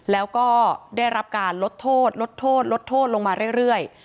แล้วก็ได้รับการลดโทษลดโทษลดโทษลงมาเรื่อย